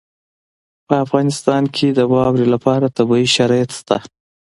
په افغانستان کې د واورې لپاره طبیعي شرایط شته.